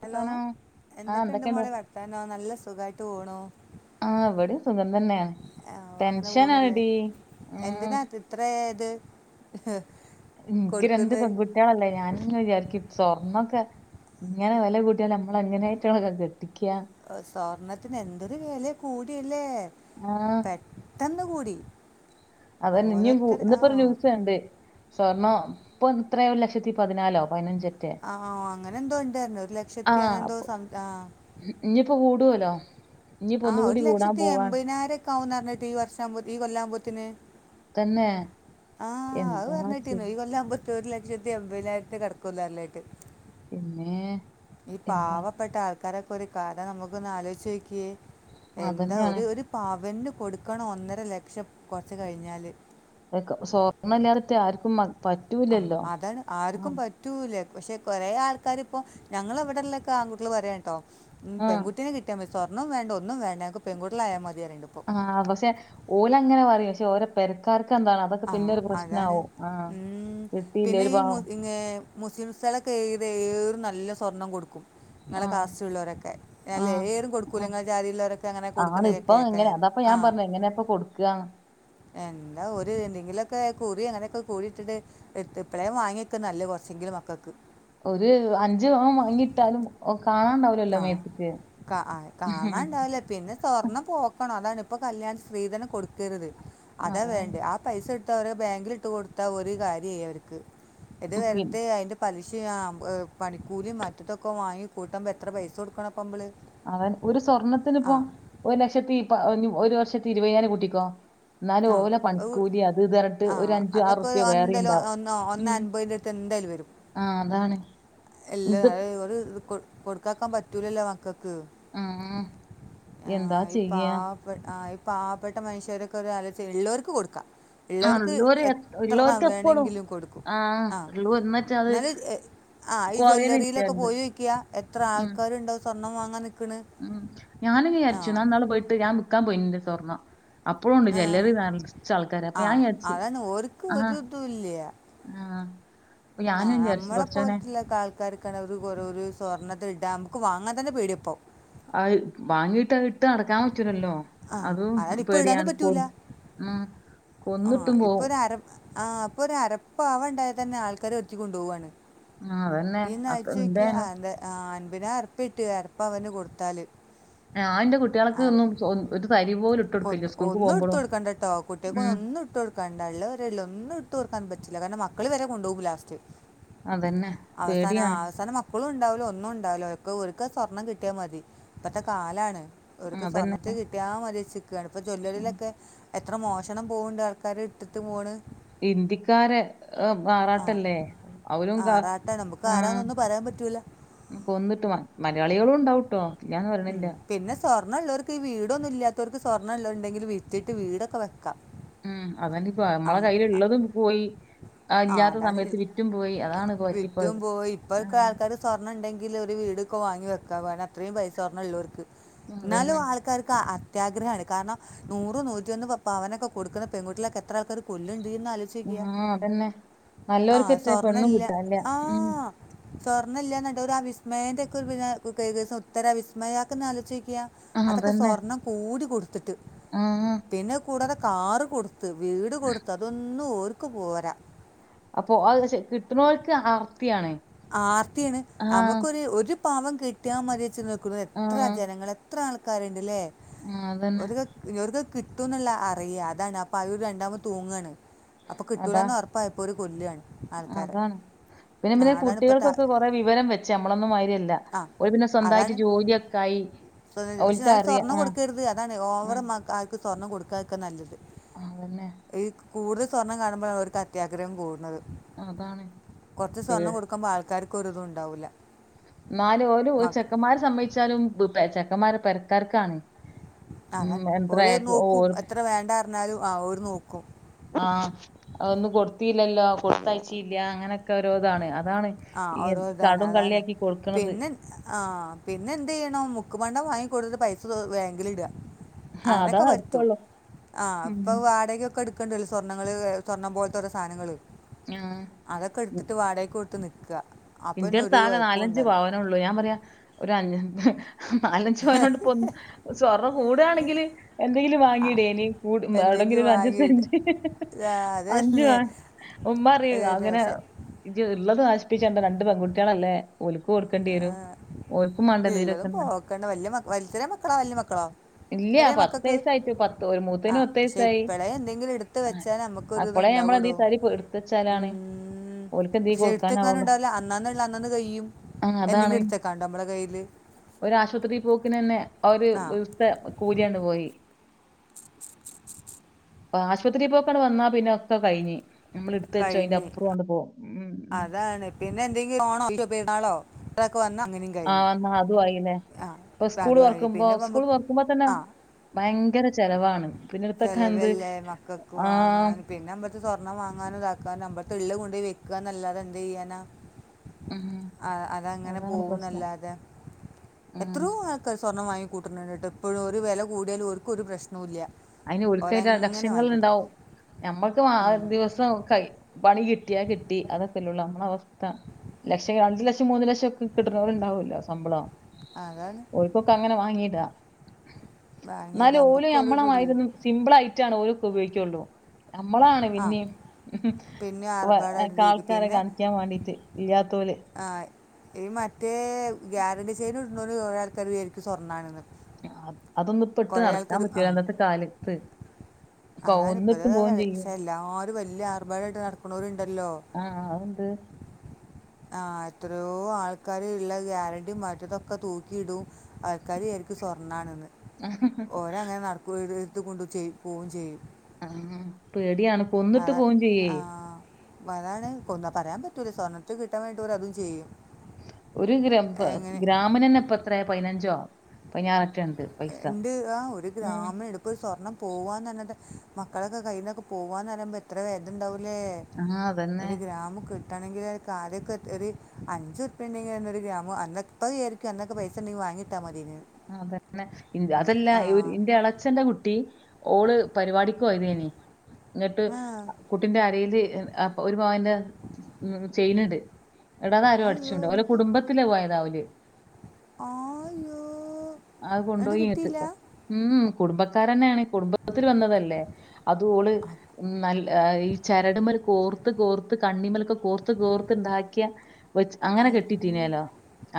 Hello വർത്താനോ ആഹ് എന്തൊക്കെയുണ്ട് എന്തൊക്കെണ്ട് മോളെ വർത്താനംനല്ല സുഖായിട്ട് പോണൂ ആ ഇവിടെയും സുഖം തന്നെയാണ് ടെൻഷനാടി ഉം ഇതിനാ ഇത്രേത് നിക്ക് രണ്ട് പെൺകുട്ടികളല്ലേ ഞാനും വിചാരിക്കും സ്വർണ്ണൊക്കെ ഇങ്ങനെ വല കുട്ടിയാൽ നമ്മൾ എങ്ങനെയായിട്ടെങ്ങളെ കെട്ടിക്യം സ്വർണത്തിന് എന്തൊരു വെല കൂടില്ലേ ആഹ് പെട്ടന്ന് കൂടി അ തന്നെ ഇനിയും കൂ ഓരോരുത്തർ ആ ഇന്നിപ്പോ ന്യൂസ് ആ കണ്ട് സ്വർണം ഇപ്പൊ ഇത്ര ഒരു ലക്ഷത്തി പതിനാലോ പതിനഞ്ചോ ആ അങ്ങനെ എന്തോ ഉണ്ടേര്ന്നു ഒരു ലക്ഷത്തി അങ്ങനെ എന്തോ സം ആ ഇനിയിപ്പോ കൂടുലോ ആ ഒരു ലക്ഷത്തിൽ എമ്പതിനായിരം ഒക്കെ ആകുന്ന് പറഞ്ഞിട്ട് ഈ വർഷ ഈ കൊല്ലയാവുമ്പോഴത്തിന് തന്നെ ആഹ് അത് എന്താ ചെ പറഞേട്ടിരുന്നു ഈ കൊല്ല ആവുമ്പത്തര് ഒരുലക്ഷത്തി എമ്പപതിനായിരത്ത് കടക്കൂന്നർഞ്ഞേട്ട് പിന്നെ ഈ പാവപ്പെട്ട ആൾക്കാരൊക്കെ ഒരു കഥ നമുക്കൊന്ന് ആലോചിച്ച് നോക്കിയേ എന്താ അതന്നെയാണ് ഒരു ഒരു പവന്ന് കൊടുക്കണം ഒന്നര ലക്ഷം കുറച്ച് കഴിഞ്ഞാൽ സ്വർണ്ണമല്ലാടത്തെ ആർക്കും മ- ആ പറ്റൂലല്ലോ അതാണ് ആർക്കും ആഹ് പ- പറ്റൂല്ലേ പക്ഷെ കുറേ ആൾക്കാർ ഇപ്പോ ഞങ്ങൾ ഇവിടെയുള്ള ഒക്കെ ആൺകുട്ടികൾ പറയാട്ടൊ ഉം ആഹ് പെൺകുട്ടിനെ കിട്ടിയാ മതി സ്വർണം വേണ്ട ഒന്നും വേണ്ട ഞങ്ങൾക്ക് പെൺകുട്ടികളായാൽ മതീന്ന് പ്പോ ആ പക്ഷെ ഓലങ്ങനെ പറയും പക്ഷെ ഓരോ പെരക്കാർക്ക് എന്താണ് അതൊക്കെ ആ പിന്നൊരു അതാണ് പ്രശ്നാവും ആഹ് ഉം കിട്ടിയില്ലേ പിന്നെ ഒരു ഈ പാവം [inaudible] മുസ്ലിംസകൾക്കൊക്കെ ഏത് ഏറ് നല്ല സ്വർണം കൊടുക്കും. നിങ്ങളെ ആഹ് കാസ്റ്റ് ഉള്ളവരൊക്കെല്ല ആഹ് ഏരും കൊടുക്കൂല ആഹ് നിങ്ങളെ ജാതിയള്ളവരൊക്കെ അങ്ങനെ കൊടുക്കു ആണ് ണെക്കെ ഇപ്പൊ എങ്ങനെ അതപ്പൊ ഞാൻ പറഞ്ഞു എങ്ങനെ ഇപ്പോ കൊടുക്ക എന്താ ഒരു എന്തെങ്കിലുക്കെ കുറി അങ്ങനെയൊക്കെ കൂടിയിട്ടിട്ട് എ ഇപ്പളേ വാങ്ങി വെയ്ക്കാം നല്ലേ കുറച്ചെങ്കിലും മക്കൾക്ക് ഒരു അഞ്ച് പവൻ വാങ്ങിട്ടാലും കാണാണ്ടാ വ് ആ കാ കാണാൻ ഉണ്ടാവില്ല പിന്നെ സ്വർണ്ണം പോക്കാണ് അതാണ് ഇപ്പോൾ കല്യാണം സ്ത്രീധനം കൊടുക്കരുത് അതാ അതാണ് വേണ്ടത് ആ പൈസ എടുത്താ അവര് ബാങ്കിൽ ഇട്ട് കൊടുത്ത ഒരു കാര്യായി അവർക്ക് ഇത് പിൻ വെറുതെ അതിന്റെ പലിശ്യ പണിക്കൂലി മറ്റതൊക്കെ വാങ്ങി കൂട്ട്പോ എത്ര പൈസ കൊടുക്കണ നമ്മള് അവൻ ഒരു സ്വർണത്തിന് ആ ഇപ്പ ഒരു ലക്ഷത്തി ഇ ഒരു വർഷത്തി ഇരുപതിനല് കൂട്ടിക്കോ ഇന്നാലും ആ ഓലെ ഒരു- പണിക്കൂലി അത് ഇത് റഞ്ഞിട്ട് ആ ഒരു അഞ്ചു ആറ് അതൊക്കെ പ്യ വേറെ ഉണ്ടാവും ഉം ഇ എന്തായാലും വരും ആഹ് അതാണ് ഇത് എല്ലത ഒരു ഇത് കൊ കൊടുക്കാക്കാൻ പറ്റൂലല്ലോ മക്കക്ക് ആഹ് ആ എന്താ ഇപ്പാ ചെയ്യാ ആ ഇ പാവപ്പെട്ട മനുഷ്യരൊക്കെ ഒരു കാല ഉള്ളവർക്ക് കൊടുക്കാം ആ ഇള്ളോർക്ക് ഉള്ളോര് എ- എത്ര ഉള്ളോർക്ക് എപ്പളും വേണങ്കിലും കൊടുക്കും ആ ഉള്ളൂ എന്നിട്ട് അത് എന്നാൽ ആ ഈ കൊറേലില്ല. ജ്വല്ലറിയിലൊക്കെ പോയോക്കിയാൽ എത്ര ഉം ആൾക്കാരുണ്ടോ സ്വർണ്ണം വാങ്ങാൻ നിൽക്കണ് ഉം ഞാനും ആ വിചാരിച്ചു ഞാൻ ഇനാളെ പോയിട്ട് ഞാൻ വിക്കാ പോയിന്റെ സ്വർണ്ണം അപ്പഴും ഉണ്ട് ആ. ജ്യല്ലറി നറച്ച് ആൾക്കാര് അപ്പൊ ആ ഞാൻ വിചാരിച്ച് അതാണ് ഓർക്ക് ആഹ് ഒരു ആഹ് ആഹ് നമ്മളെ പോലത്ത്ള്ള ആൾക്കാർക്കര ഒരു സ്വർണത്തി ഇടാ നമുക്ക് വാങ്ങാൻ തന്നെ പേടിയാ ഇപ്പോ ആ വാങ്ങിട്ട് അത് ഇട്ട് നടക്കാൻ പറ്റൂലല്ലോ ആ അതും അതാണ് ഇപ്പോൾ ഇടാനും പേടിയാണ് പോ ഉം പറ്റൂല ആ കൊന്നിട്ടും ഇപ്പൊ പോവും ഒരു അര ആ ഇപ്പൊ ഒരു അരപ്പ ആ ഇണ്ടായതന്നെ ആൾക്കാര് ഒരുത്തി കൊണ്ടുപോവണ് ആതൻ ഈ നഴ്ച്ചയ്ക്ക് എ അൻമ്പതിനായിര രുപ്പിട്ട് അരപ്പ വന് കൊടുത്താല് ഞാൻ എന്റെ ആ കുട്ടികൾക്ക് ഒന്നും ഒ ഒരു തരി പോലും ഇട്ട് കൊ കൊടുക്കില്ല സ്കൂൾക്ക് ഒന്ന ഇടുത്ത് പോകുമ്പളും കൊടുക്കണ്ട ടോ കുട്ടിയ കൊ ഉം ഒന്ന ഇട്ട് കൊടുക്ക കണ്ടള്ള ഒള്ളില ഒന്നും ഇട്ട് കൊടുക്കാൻ പറ്റില്ലാ കാരണം മക്കൾള് വരെ കൊണ്ട് പോകു ലാസ്റ്റ് അതന്നെ അവസാന പേടിയാണ് അവസാനം മക്ക മക്കളും ഉണ്ടാവലോ ഒന്നും ഉണ്ടാവലോ ഒക്കെ ഒരുക്ക സ്വർണ്ണം കിട്ടിയാൽ മതി ഇപ്പത്തെ കാലാണ് ഉം, അവർക്ക് അതന്നെ. സ്വർണ്ണൽ കിട്ടിയാൽ മതി ച്ചി കയാണ് ഇപ്പൊ ജ്വല്ലറിയിലൊക്കെ എത്ര മോഷണം പോവണ്ട് ആൾക്കാര് ഇട്ടിട്ട് പോണ് ഇന്ത്യക്കാരെ മാറാട്ടല്ലേ അവരും കാ അട്ടാ നമുക്ക് ആരാന്നൊന്നും പറയാൻ പറ്റൂല കൊന്നിട്ട് മലയാളികളും ഉണ്ടാവട്ടോ ഇല്ലന്ന് ഉം. പറയണില്ല പിന്നെ സ്വർണ്മുള്ളവർ ഈ വീടൊന്നും ഇല്ലത്തവർക്ക് സ്വർണ്ണമള്ളവരുണ്ടെങ്കി വിത്തിട്ട് വീടൊക്കെ വെക്കാം ഉം അതപ്പോ ആ നമ്മളെ കയ്ൽ ഉള്ളതും പോയി ആ ഇല്ലാത്ത അതാണ് സമയത്ത് ഇ- വിറ്റും പോയി അതാണ് കോറ്റിപ്പോഴത് ഇപ്പൊക്ക ആൾക്കാാര് സ്വർണ്ണം ഉണ്ടെങ്കിൽ ഒരുര് വീടൊക്കെ വാങ്ങി വെക്കാ അത്രയും പൈസ സ്വർണ്ണംള്ളൂവർക്ക് ന്നാലും അതന്നെ ആൾക്കക്ക ആ അത്യാഗ്രഹമാണ് കാരണം നൂറും നൂറ്റിന്ന് അവനൊക്കെ കൊടുുന്ന പെൺുട്ടളൊക്കെ എത്ര ആൾക്കാര് കൊല്ലുണ്ട എന്നാലും ആഹ് അതന്നെ. ആ നല്ലോർക്കറ്റെ സ്വർണ പെണ്ണും ഇല്ല കിട്ടാനില്ല. ഉം ആഹ് സ്വർണ്ണല്ല എന്നിട്ട് ഒരു അവിസ്മയന്റെ ഒക്കെ ഒരുന്ന കൈ ദിവസം ഉത്തരവിസ്മയം മ്മയാക്കന്ന്ലോയ്ചക്ക ആഹ് അതൊക്കെ അതന്നെ സ്വർണ്ണം കൂടി കൊടുക്ക ത്തിട്ട് ആഹ് പിന്നെ കൂടാതെ കാറ് കൊടുത്ത് വീട് കൊടുത്ത് അതൊന്ന് ഒരു ക് പോരാ അപ്പൊ അത് കിട്ടുന്നവൾക്ക് ആർത്തിയാണേ ആർത്തിയണ് നമുക്കൊരു ഒരു പാവം കിട്ടിയാൽ മതി വെച്ച് നൽക്കുന്നത് എത്ര ആഹ് ജനങ്ങളെ അത്ര ആൾക്കാരുണ്ട്ല്ലേ ആഹ് അതന്നെ ഒരു ഇനിവർക്ക് കിട്ടും എന്നുള്ള അറിയ അതാണ് അപ്പൊ അ ഒരു രണ്ടാമത് തൂങ്ങയാണ് അപ്പൊ അതാ കിട്ടൂലന്ന് ഉറപ്പായപ്പോ ഒരു കൊല്ലാണ് ആൾക്കാരെ അതാണ്. പിന്നെ ആ പിന്നെ അതാണ് കുട്ടികൾക്കൊക്കെ ഇപ്പോഴത്തെ കൊറെേ വിവരം വെച്ച നമ്മളൊന്നും മാരിയല്ല ആ ഒരു പിന്നെ സ്വന്തമായിട്ട് ജോലിയൊക്കെ ആയി ക്ഷെ ഓൽക്ക് അല് അറിയ സ്വർണ്ണം ആഹ് കൊടുക്കരുത് അതാണ് ഓവറ ആഹ് ആൾക്ക് സ്വർണ്ണം കൊടുക്ക ഒക്കെ നല്ലത് ആതന്നെ ഈ കൂടുതൽ സ്വർണം കാണുമ്പോഴാണ് അവർക്ക് അത്യാഗ്രഹം കൂടുന്നത്, അതാണ് ത്രെ പേ സ്വർണ്ണം കൊടുക്കുമ്പോ ആൾക്കാർക്കൊരിതും ഉണ്ടാവില്ല. ന്നാല് ഓല് മക്ക ചെക്കന്മാർ സംമ്മയ്ച്ചാലും ചെക്കന്മാരെ പെരക്കാർക്കാണ് ഉം എത്ര ഓര് ഓ നോക്കും എത്ര വേണ്ട ന്നറിഞ്ഞാലും ആഹ് ഓര് നോക്കും. ആഹ് അതൊന്നും കൊടുത്തില്ലല്ലോ കൊടുത്തയച്ചീല്ല അങ്ങനെ രോന്നാണ് അതാണ് ആ ഈ കടും കള്ളിയാക്കി കൊടുക്കന്നത് ആഹ് പിന്നെന്ത്യ്യണോ മുക്ക് പണ്ടം വാങ്ങിക്കൊട്ന്ന്ട്ട് പൈസ ബാങ്കിൽ ഇട, അതാ അങ്ങനെയൊക്കെ പറ്റൂ നടക്കുള്ളൂ ആഹ് ഉം ഇപ്പൊ വാടകൊക്കെടു ക്കണ്ടല്ലോ സ്വർണങ്ങള് സ്വർണ്ണം പോലത്തോരൊ സാധനങ്ങൾ ആഹ് അതൊക്കെ എടു വാടകക്കൊട്ത്ത് നിക്ക, ഇന്റെടുത്ത് ആകെ നാലഞ്ച് പവനെ ഉള്ളൂ, ഞാൻ പറയാ ഒരു അഞ് നാലഞ്ചു പവനോണ്ട് പ്പൊ സ്വർണ്ണം കൂടാണെങ്കില് എന്തെങ്കിലും ആ വാങ്ങിടായ്നി എവിടെങ്കിലും എന്തെങ്കിലും ഒരു അഞ്ചു വാങ്ങിയിട്ട് സെന്ച് ആ, അഞ്ച് അതല്ലേ ഉമ്മ ഏ, അറിയും അങ്ങനെ, പക്ഷെ ഇയ്യ് ഉള്ളത് നശിപ്പിച്ചണ്ട രണ്ട് പെൺകുട്ടികളല്ലേ? ഓൽക്കൊടുക്കേണ്ടി വരും ഓൽക്കും മാണ്ടെ ന്തേരൊക്കെ, ക്കണ്ട വല്യ വൽതിലെ മക്കളാ വല്യ മക്കളോ? ഇല്ല്യ ഇത്രയും മക്കക്ക് വയസ്സായിട്ട് പത്ത് ഒരു മൂത്തേന് ആഹ് ക്ഷെ വയസ്സായി. ഇപ്പളേ എന്തെങ്കിലും എടുത്ത് വെച്ചാൽ നമ്മക്ക് ക്കൊരുത് അപ്പളേ നമ്മളെന്തീ ണ്ടാകെടോ, തരി എടുത്തച്ചാലാണ് ഉം ഓൽക്ക് എന്തേലും ക്ഷെ എടുത്തെക്കാനും കൊടുക്കാനാവുള്ളു. ണ്ടാകൂല, അന്നാന്ന്ള്ളെ അന്നാന്ന് കൈയും എന്തെങ്കിലും എടുത്തെക്കാണ്ടൊ നമ്മളെ കയ്യില്, ഒരാശുപത്രി പോക്കിനെന്നെ ആ ഒരു ദിവത്തെ കൂലിയണ്ട് പോയി അപ്പ ആശുപത്രി പോക്കാണ്ട് വന്നാ പിന്നെ ഒക്കെ കഴിഞ് നമ്മൾ എടുത്ത വെച്ചോ അയിന്റെ കഴിഞ്ഞ് അപ്പുറം പോകും ഉം, ഉം അതാണ് പിന്നെ എന്തെങ്കിലും ഓണോ പെരുന്നാളോക്കെ വന്ന കയ്ഞ്ഞു ആഹ് എന്നാ അതും ആയില്ലേ. ആ ഇപ്പൊ സ്കൂൾ പ്പഅതും ആയി തുറക്കുമ്പോ പിന്നെ സ്കൂൾ മ്മക്ക് തുറക്കുമ്പോ തന്നെ ആ ഭയങ്കര ചെലവാണ്. പിന്നെ ഇടുത്തൊക്കെ എന്ത് ചെലവല്ലേ മക്കക്ക് ആഹ് വാങ്ങാൻ പിന്നെമ്മ ക്ക് സ്വർണ്ണം വാങ്ങാനോ ഇതാക്കാനോ മ്മക്ക്‌ ള്ളെ വെക്കന്നല്ലാതെ എന്തെയ്യാനാ. ഉം ആ അതങ്ങനെ അതാണ് പ്രശ്നം. പോകുന്നല്ലാതെ ഉം എത്രോ ആ ൾക്ക് സ്വർണം വാങ്ങി ക്കൂട്ട്ന്ന്ണ്ട് ട്ടൊ ഇപ്പഴും ഒരു വെല കൂട്യലും ഓൽക് ഒരു പ്രശ് നുല്ല്യാ. അയ്ന് ഓൽക്കയ്ന്റെ ലക്ഷങ്ങൾ ണ്ടാവും ഞമ്മക്ക് ആ ഉം. ദിവസം കയ് പണി കിട്യാ കിട്ടി അതൊക്കെല്ലള്ളൂ നമ്മള അവസ്ഥ ലക്ഷം അഞ്ച്‌ ലെക്ഷം, മൂന്ന് ലക്ഷം ക്കെ ക്ക്ട്ട്ണോല്ണ്ടാവല്ലോ സമ്പളം. അതാണ് ഓൽകൊക്കെ അങ്ങനെ വാങ്ങിടാ വാങ്ങിയിട്ട് ന്നാലും ഓല് അമ്പക്കും ഒരു അമ്മളമായി ഇതുള്ളിൽ സിബ്ലായിട്ടാണ് ഓരൊക്കെ ഉപയോഗിക്കൊള്ളൂ നമ്മളാണ് ആ പിന്നിം പിന്നെ ആർഭാടായിട്ട് ഇരിക്കും ആൾക്കാരെ പിന്നെ കാണിക്ക്യാൻ വേണ്ടിട്ട് ഇല്ലാത്തോല്. ആ ഈ മറ്റേ ഗ്യാരൻറി ചെയ്ന്ട് ന്നോര് കൊറേ ആൾക്കാർ വിചാരിക്കും ഇത് സ്വർണ്ണണെന്ന്. അതൊന്നും പ്പെട്ട് നടക്കാൻ ആ പറ്റൂല്ല ഇന്നത്തെ കാലത്ത്. അതാണ് ഇപ്പത്തെ കൊന്നിട്ട് പോവും ചെയ്യും ക്ഷെ എല്ലാരും വല്യ ആർഭാടായ്ട്ട് നടക്കുന്നോര് ണ്ടല്ലോ ആഹ് അത്ണ്ട്. ആ എത്രയോ ആൾക്കാര്ള്ള ഗ്യാരണ്ടി മറ്റതൊക്കെ തൂക്കിയിടും അൾക്കാര് വിയാരിക്കും സ്വർണ്ണാണ്ന്ന്. ഓരങ്ങനെ നട്ക്കും ഇത് ഇതും കൊണ്ട് ചെയ് പോവും ചെയ്യും. ആഹ് പേട്യാണ്. അതെ ആഹ്. അതാണ് കൊന്നാ പറയാൻ പറ്റൂല സ്വർണംത്തെ കിട്ടാൻ വേണ്ട് ഓര് അതും ചെയ്യും. ഒര് ഗ്ര എങ്ങനെ ഗ്രാമിനെന്ന ഇപ്പത്ര പതിനഞ്ചോ പതിനാറെറ്റണ്ട്. ഇണ്ട് താ ഒര് ഗ്രാമെടു ഇപ്പൊര് സ്വർണ്ണം പോവ്വാന്ന്ർഞ്ട്ട് മക്കളൊക്കെ കയ്യിന്നൊക്കെ പോവ്വാന്നറിപ്പം എത്ര വേതന ണ്ടാവൂല്ലേ, ആഹ് അതന്നെ ഒര് ഗ്രാമ് ക് ട്ടണെങ്കില് ആദ്യക്കെ ഒര് അഞ്ചുർപ്യണ്ടെങ്കിലെന്നെ ഒര് ഗ്രാമ് അന്നത്ത [unintelligible] അന്നൊക്കെ പൈസണ്ടീ വാങ്ങിട്ടാ മത്യോനീ. ആ അതന്നെ അതെല്ലാ ഇ ഇന്റെ എളച്ചന്റ കുട്ടി ഓള് പരിവാടിക്ക്‌ ഓയതേനി ന്ന്ട്ട് ആ കുട്ടിന്റെ അരെല് ഒരു പവന്റെ മ് ചെയ്ന്ന്ണ്ട് ന്ന്ടതാരോ അയ്യോ അടിച്ചോണ്ട ഓലെ കുടുംബത്തില് പോയാതോല്. ആ യ്യോ. അത് കൊണ്ടോയിന്ന്ട്ട് മ് കുടുംബക്കാരന്നെണ്. കുടുംബത്തിൽ വന്നതല്ലേ അതോള് നല്ല ഈ ചരട്മ്മല് കോർത്ത് കോർത്ത് കണ്ണിമലൊക്കെ കോർത്ത് കോർത്ത് ഇണ്ടാക്ക്യാ വച്ച് അങ്ങനെ അയ്യോ കെട്ടിട്ടീന്യലോ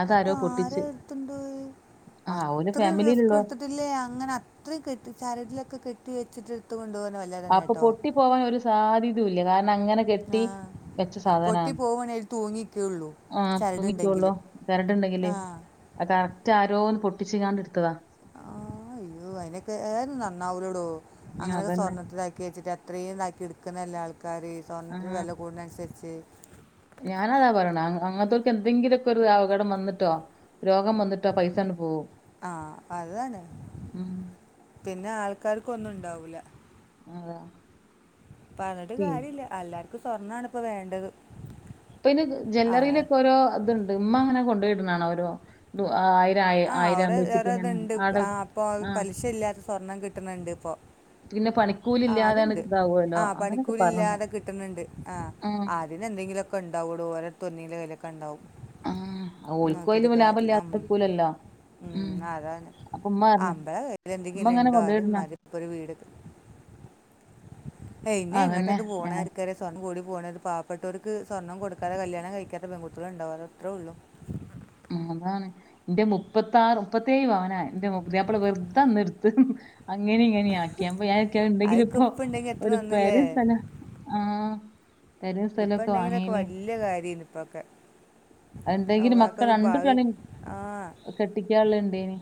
അതാരോ പൊട്ടിച്ച് എട്ത്തൊണ്ടോയി ആ ഓലെ അത്രിം ഫാമിലിയിലുള്ള റിസ്ക്ക് ട്ത്ട്ട് ല്ലേ അങ്ങനെ അത്രിം കെട്ടി ചരടിലൊക്കെ കെട്ടി വെച്ചിട്ട് എട്ത്ത് കൊണ്ടോവാർഞ്ഞാ വെ അപ്പൊ പൊട്ടി പോവാൻ ഒര് സാധ്യതൂല്ല കാരണം അങ്ങനെ കെട്ടി ആ വെച്ച പൊട്ടി സാധനാണ് പോവുകയാണെങ്കിൽ അതിൽ തൂങ്ങിക്കുള്ളൂ ആ ചരടുണ്ടെങ്കിൽ മിക്കൊള്ളോ ചരട്ണ്ടെങ്കിലെ ആ അ കറക്റ്റ് ആരോന്ന് പൊട്ടിച്ച്ക്കാ ടെട്തതാ. ആ അയ്യോ അയ്നൊക്കെ ഏത് നന്നാവൂലെടോ അങ്ങനെയൊക്കെ അതന്നെ സ്വർണ്ണത്തിലാക്കിവെച്ചിട്ട് ത്രീതാക്കി എട്ക്ണല്ലേ ആൾക്കാര് ആ സ്വർണത്തിന് വെല കൂട്ന്നൻസര്ച്ച്. ഞാനതാ പറിണെ അങ്ങൻ ത്തോൽക്ക് എന്തെങ്കിലൊക്കൊരു അപകടം വന്നിട്ടോ രോഗം വന്നിട്ട് ട്ടോ പൈസാണ്ട്‌ പോവും ആ അതാണ് മ്മ്. പിന്നെ ആൾക്കാർക്കൊന്നുണ്ടാവൂല. അതെ. പർഞ്ഞിട്ട് കാര്യല്ല എല്ലാർക്കും സ്വർണ്ണണിപ്പ വേണ്ടത്. ഇപ്പയ്ന് ആ ജ്വല്ലറിയിലൊക്കെ ഓരോ ഇത്ണ്ട് ഇമ്മ അങ്ങനെ കൊണ്ടോയിട്ണാണാ ഒരോ ദുആ ആ ഓരോ ഓരോത്ണ്ട് ആപ്പൊ ആ പലിശ ഇല്ലാത്ത സ്വർണം കിട്ട്ണ്ണ ണ്ട്പ്പൊ. പിന്നെ പണിക്കൂലി ആഹ് ഇല്ലാതെയാണ് അത്ണ്ട് ആ ഇതാവുമല്ലോ അങ്ങനൊക്കെ പറഞ്ഞമ്മ പണിക്കൂലില്ലാതെ കിട്ട്ണ്ണ്ട് ആ അ തിന് എന്തങ്കിലൊക്കെ ഇണ്ടാവൊടൊ ഓലെര്ത്ത് ഒന്നിലെ വെലക്കെ ണ്ടാവും. ആഹ് ഓൽക്കു അയില് പ്പ ഉം. ലാഭല്ലാതക്കൂലല്ലോ ഉം അതാണ് അമ്പള കയ്യ്ല് ഉമ്മ ഇങ്ങനെ എന്തെങ്കില്ണ്ടോ അത് കൊണ്ടോയിടണ മതി ഇപ്പരു വീട്ക് ഏ ഞ്ഞ എങ്ങട്ട ഇത് അതന്നെ പോണാര്ക്ക സ്വർണം കൂടി പോണത് പാവപ്പെട്ടോര്ക്ക് സ്വർണം കൊടുക്കാതെ കല്യാണം കഴിക്കാത്ത പെൺക്കുട്ടിയാള് ഇണ്ടാവാ അത്രേ ഉള്ളൂ ഉം അതാണ് ഇന്റെ മുപ്പത്താറ് മുപ്പത്തേഴ് പവനാ ഇന്റെ പുതിയാപ്പിള വെർതന്ന്ട്ത്ത് അങ്ങിനിം ഇങ്ങനിം ആക്കി. [unintelligible] ണ്ടെങ്കില് അതൊക്കെ പ്പൊ ഇപ്പം ഉണ്ടെങ്കിൽ എത്ര ഒരു നന്നില്ലേ പെരിം സ്ഥലം ആ പെരിം ഇപ്പം സ്ഥലൊക്കെ ഉണ്ടെങ്കിലൊക്കെ വാങ്ങയ്ന് വലിയ കാര്യമാണ് ഇപ്പൊക്കെ അ ഇണ്ടങ്കില് മക്ക് അവർക്കൊരു രണ്ട് ഭാവി ട്ടാണെ കെട്ടിക്കാള്ള ഇണ്ടേനി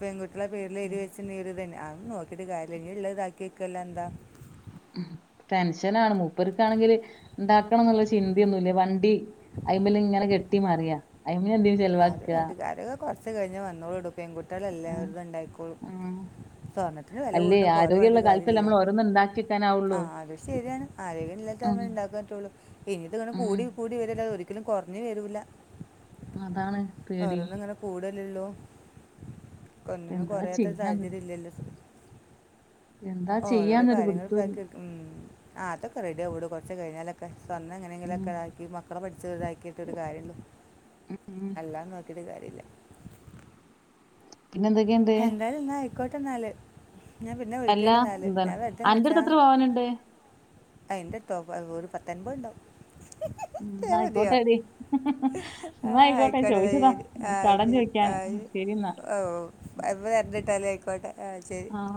പെൺകുട്ടിയാളെ പേര്ല് എയ്തിവെച്ച്ണ്ടെങ്കി ഒരു തെന്നെ അ നോക്കിയിട്ട് കാര്യല്ല ഇനിള്ള താക്കി വെക്കല്ലാതെന്താ ടെൻഷനാണ് മൂപ്പർക്കാണെങ്കില് ഇണ്ടാക്കണം ന്ന്ള്ള ചിന്തെന്നുല്ല വണ്ടി അയ്മല്ങ്ങനെ കെട്ടി മറിയാ അയ്മെലെന്തേലും ചെ [unintelligible] കൊർച്ച് കഴിഞ്ഞ് വന്നോളൂ ടോ പെൺകുട്ടിയാളല്ലേ ആഹ് [unintelligible] ഇണ്ടായിക്കോളും ആഹ് സ്വർണ്ണത്തിന് വെല അല്ലേ കൂടണപ്പോ ഓലെ ആരോഗ്യള്ള പർഞ്ഞിട്ട് കാലത്തല്ലേ കാര്യല്ലല്ലോ നമ്മൾ ഓരോന്ന് ഇണ്ടാക്കി വെക്കാനാവുള്ളൂ ആഹ് അതും ശരിയാണ്. ആരോഗ്യം ഉം ഇല്ലാത്ത [unintelligible] ഇനി ഇത്ങ്ങെ ഉം കൂടി കൂടി വരല്ലാതെ ഒ രിക്കലും കൊർഞ്ഞ്‌ വരൂല്ല അതാണ് പേടി ഒരോന്ന്ങ്ങനെ കൂടല്ലള്ളൂ. ഒന്നിനും എന്താ കൊറയാത്തരു ചെയ്യാന്ന് സാഹചര്യല്ലല്ലോ എന്താ ഓരോരോ ചെയ്യാന്നൊരു കാര്യങ്ങൾ പിടുത്തൂല്ല ഇപ്പ ഉം ആ അതൊക്കെ റെഡി ആവടോ കൊർച്ച് കഴിഞ്ഞാലൊക്കെ സ്വന്തം എങ്ങനെങ്കിലൊക്കെ ഉം ഇതാക്കി മക്കളെ പട്ച്ച് ഇതാക്കിയിട്ടൊ ഒരു കാര്യോള്ളു ഉം അല്ലാന്ന് വക്ക് ക്കീട്ട് കാര്യല്ല. പിന്നെന്തൊക്കേണ്ട് എന്തായാലും ന്നാ ആയ്ക്കോട്ടെ ന്നാല് ഞാ പിന്നെ അല്ല വിളിക്കേണ്ട്‌ ന്നാല് എന്താണ് ഞാൻ അന്റെ അടുത്ത് എത്ര പവനുണ്ട് [unintelligible] അയിന്റെട്ത്തോ വീട് പത്തൻപണ്ടാവും ഉം അ എന്നാ മതിയോ ആയിക്കോട്ടെ എടി ആ എന്നാ ആയിക്കോട്ടെ ആയിക്കോട്ടത ചോദിച്ചതാ ശരി ആ കടം ശരി ആ ചോദിക്കാന് ശരി എന്നാ [unintelligible] ആയിക്കോട്ടെ ശരി ആ